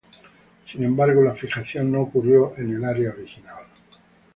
Sin embargo, la fijación no ocurrió en el área original.